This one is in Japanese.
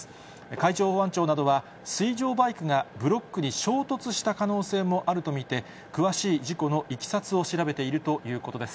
海上保安庁などは、水上バイクがブロックに衝突した可能性もあると見て、詳しい事故のいきさつを調べているということです。